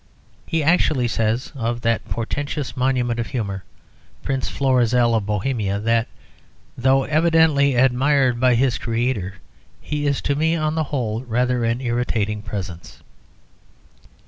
He actually says of that portentous monument of humour, Prince Florizel of Bohemia, that, "though evidently admired by his creator, he is to me on the whole rather an irritating presence."